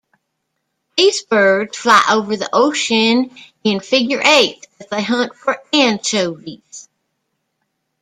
These birds fly over the ocean in figure eights as they hunt for anchovies.